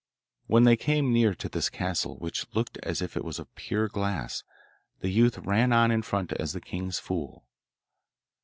When they came near to this castle, which looked as if it was of pure glass, the youth ran on in front as the king's fool.